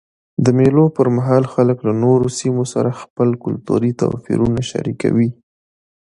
د مېلو پر مهال خلک له نورو سیمو سره خپل کلتوري توپیرونه شریکوي.